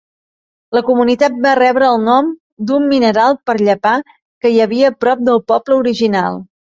La comunitat va rebre el nom d'un mineral per llepar que hi havia prop del poble original.